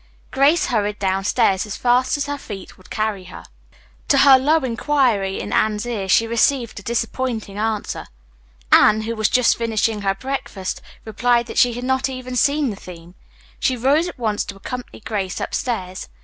Grace hurried downstairs as fast as her feet would carry her. To her low inquiry in Anne's ear she received a disappointing answer. Anne, who was just finishing her breakfast, replied that she had not even seen the theme. She rose at once to accompany Grace upstairs.